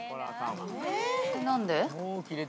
何で？